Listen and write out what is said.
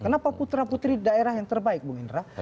kenapa putra putri daerah yang terbaik bung indra